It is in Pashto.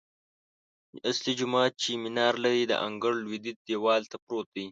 اصلي جومات چې منار لري، د انګړ لویدیځ دیوال ته پروت دی.